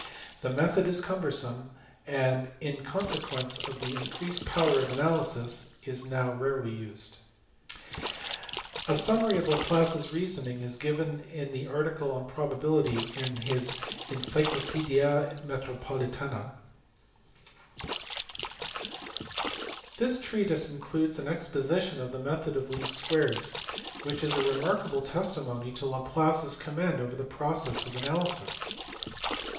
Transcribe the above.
The method is cumbersome, and in consequence of the increased power of analysis is now rarely used. A summary of Laplace s reason ing is given in the article on Probability in the Encyclopaedia Metropolitana. 424 LAGRANGE, LAPLACE, AND THEIR CONTEMPORARIES. This treatise includes an exposition of the method of least squares, which is a remarkable testimony to Laplace s com mand over the processes of analysis.